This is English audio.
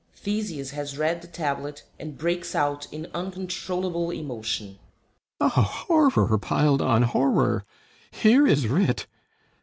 [THESEUS has read the tablet and breaks out in uncontrollable emotion.] THESEUS Oh, horror piled on horror! Here is writ...